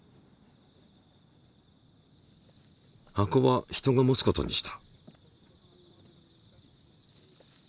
箱は人が持つことにした。